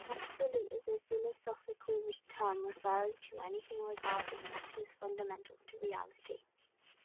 "Absolute" is a philosophical term referring to anything regarded as fundamental to reality.